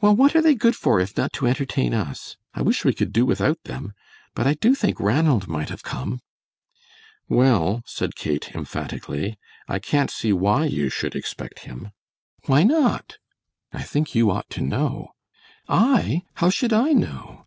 "Well, what are they good for if not to entertain us? I wish we could do without them! But I do think Ranald might have come." "Well," said Kate, emphatically, "I can't see why you should expect him." "Why not?" "I think you ought to know." "I, how should I know?"